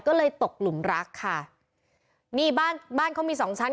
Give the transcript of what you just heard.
ก็เลยตกหลุมรักค่ะนี่บ้านบ้านเขามีสองชั้น